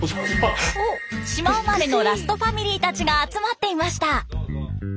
島生まれのラストファミリーたちが集まっていました。